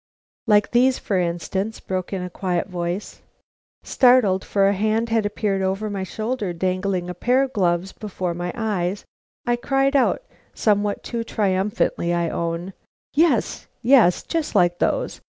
"Like these, for instance," broke in a quiet voice. Startled, for a hand had appeared over my shoulder dangling a pair of gloves before my eyes, I cried out, somewhat too triumphantly I own: "Yes, yes, just like those!